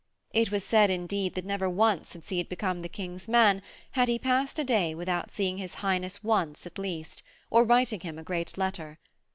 It was said indeed that never once since he had become the King's man had he passed a day without seeing his Highness once at least, or writing him a great letter.